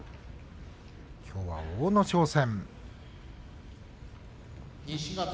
きょうは阿武咲戦。